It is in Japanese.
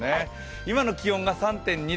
今の気温が３．２度。